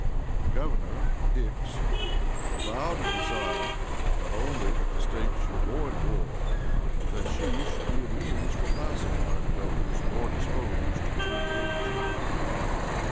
The Governor (Hicks) avowed a desire, not only that the State should avoid war, but that she should be a means for pacifying those more disposed to engage in combat.